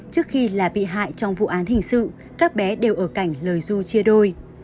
trước khi là bị hại trong vụ án hình sự các bé đều ở cảnh lời du chia đôi